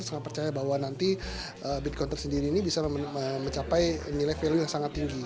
sangat percaya bahwa nanti bitcount tersendiri ini bisa mencapai nilai value yang sangat tinggi